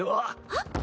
あっ。